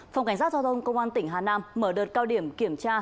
phòng cảnh sát giao thông công an tỉnh hà nam mở đợt cao điểm kiểm tra